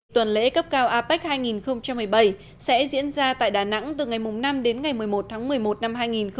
tuần lễ cấp cao apec hai nghìn một mươi bảy sẽ diễn ra tại đà nẵng từ ngày năm đến ngày một mươi một tháng một mươi một năm hai nghìn một mươi chín